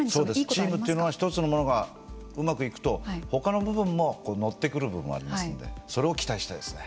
チームというのは一つのものがうまくいくとほかの部分も乗ってくる部分ありますのでそれを期待したいですね。